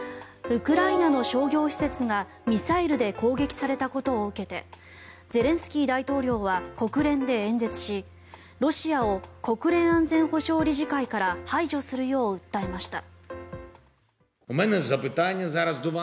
ウクライナの商業施設がミサイルで攻撃されたことを受けてゼレンスキー大統領は国連で演説しロシアを国連安全保障理事会から排除するよう訴えました。